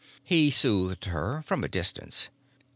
He soothed her—from a distance.